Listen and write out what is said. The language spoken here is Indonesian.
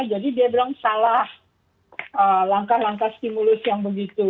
jadi dia bilang salah langkah langkah stimulus yang begitu